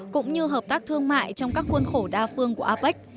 cũng như hợp tác thương mại trong các khuôn khổ đa phương của apec